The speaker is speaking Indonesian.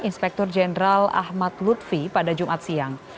inspektur jenderal ahmad lutfi pada jumat siang